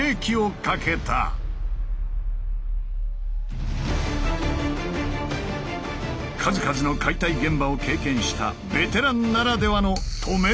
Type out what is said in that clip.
数々の解体現場を経験したベテランならではの「止める技術」だ。